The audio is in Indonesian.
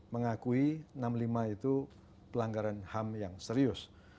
mengakui seribu sembilan ratus enam puluh lima itu pelanggaran ham yang serius